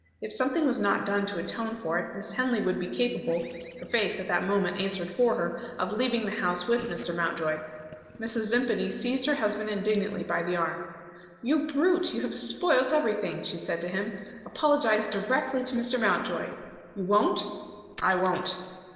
If something was not done to atone for it, Miss Henley would be capable her face, at that moment, answered for her of leaving the house with Mr. Mountjoy. Mrs. Vimpany seized her husband indignantly by the arm. "You brute, you have spoilt everything!" she said to him. "Apologise directly to Mr. Mountjoy. You won't?" "I won't!"